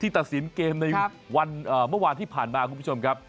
ตัดสินเกมในวันเมื่อวานที่ผ่านมาคุณผู้ชมครับ